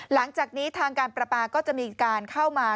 หลังจากนี้ทางการประปาก็จะมีการเข้ามา